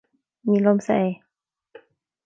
ní liomsa é